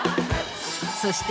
そして。